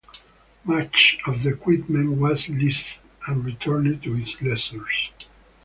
Much of the equipment was leased, and returned to its lessors.